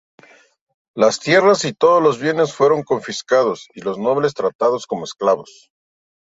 Las tierras y todos los bienes fueron confiscados, y los nobles tratados como esclavos.